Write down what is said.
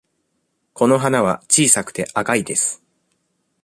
この花は小さくて赤いです。